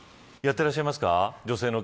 やってらっしゃいますか。